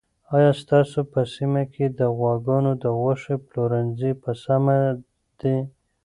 آیا ستاسو په سیمه کې د غواګانو د غوښې پلورنځي په سمه دي؟